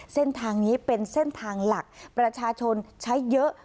เส้นทางนี้เป็นเส้นทางหลักประชาชนใช้เยอะ